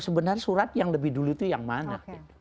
sebenarnya surat yang lebih dulu itu yang mana